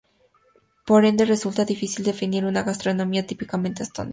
Por ende, resulta difícil definir una gastronomía "típicamente" estonia.